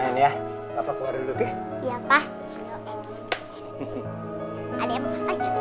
tidur dia lagi ngantuk dia lagi ngantuk jadi ganggu dia mau tidur